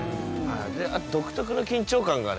あと独特の緊張感がね